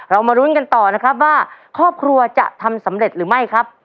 มารุ้นกันต่อนะครับว่าครอบครัวจะทำสำเร็จหรือไม่ครับ